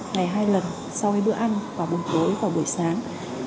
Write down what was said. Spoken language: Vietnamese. ngày hai lần sau bữa ăn vào buổi tối vào buổi sáng